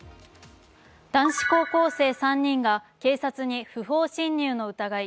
男子高校生３人が警察に不法侵入の疑い。